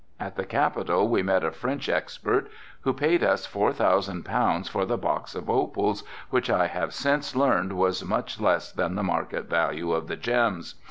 At the capital we met a French expert who paid us four thousand pounds for the box of opals, which I have since learned was much less than the market value of the gems.